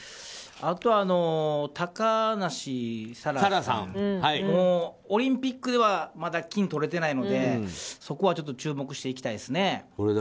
あと、高梨沙羅さんもオリンピックではまだ金とれてないのでそこは注目していきたいですね。